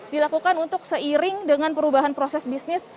dilakukan untuk seiring dengan perubahan proses bisnis